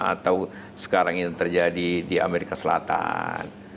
atau sekarang ini terjadi di amerika selatan